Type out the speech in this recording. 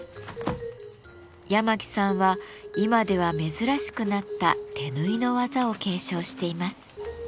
八巻さんは今では珍しくなった手縫いの技を継承しています。